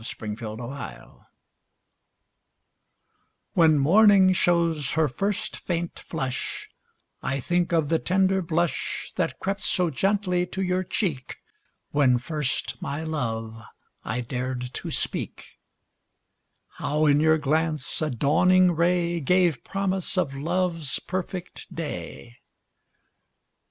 MORNING, NOON AND NIGHT When morning shows her first faint flush, I think of the tender blush That crept so gently to your cheek When first my love I dared to speak; How, in your glance, a dawning ray Gave promise of love's perfect day.